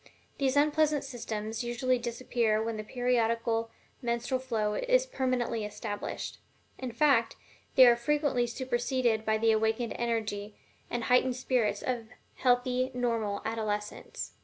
These unpleasant symptoms usually disappear when the periodical menstrual flow is permanently established. In fact, they are frequently superseded by the awakened energy and heightened spirits of healthy, normal adolescence.